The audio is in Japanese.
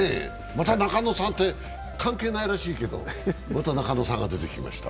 また中野さんって関係ないらしいけどまた中野さんが出てきました。